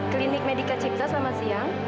klinik medika cipta selamat siang